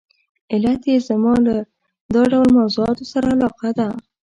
علت یې زما له دا ډول موضوعاتو سره علاقه ده.